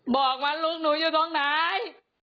บอกว่าลูกหนูอยู่ตรงไหน